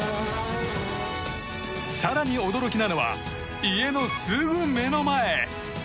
更に驚きなのは家のすぐ目の前！